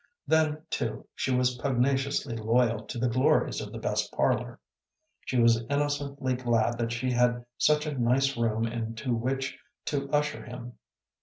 Then, too, she was pugnaciously loyal to the glories of the best parlor. She was innocently glad that she had such a nice room into which to usher him.